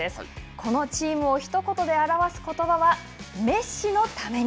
このチームをひと言で表すことばは、メッシのために。